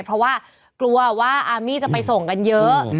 เพราะว่ากลัวว่าอามี่จะไปส่งกันเยอะ